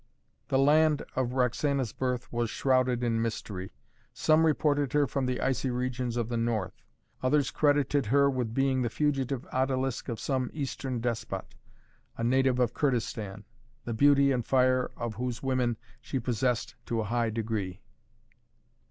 The land of Roxana's birth was shrouded in mystery. Some reported her from the icy regions of the North, others credited her with being the fugitive odalisque of some Eastern despot, a native of Kurdistan, the beauty and fire of whose women she possessed to a high degree.